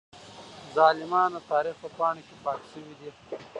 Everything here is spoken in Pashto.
ظالمان د تاريخ په پاڼو کې پاک شوي دي.